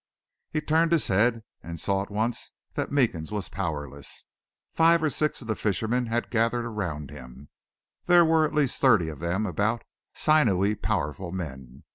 He turned his head and saw at once that Meekins was powerless. Five or six of the fishermen had gathered around him. There were at least thirty of them about, sinewy, powerful men.